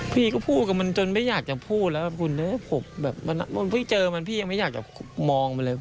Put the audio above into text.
พี่ก็พูดกับมันจนไม่อยากจะพูดแล้วคุณผมแบบมันไม่เจอมันพี่ยังไม่อยากจะมองมันเลย